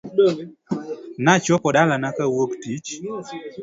Nachopo dalana kawuok tich .